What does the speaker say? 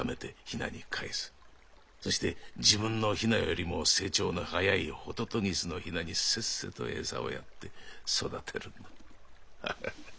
そして自分のヒナよりも成長の早いホトトギスのヒナにせっせと餌をやって育てるんだ。